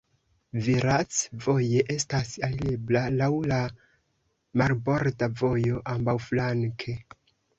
Virac voje estas alirebla laŭ la marborda vojo ambaŭflanke.